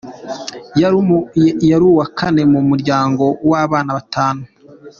Yari uwa kane mu muryango w’abana batanu.